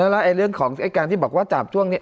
แล้วเรื่องของการที่บอกว่าจับช่วงนี้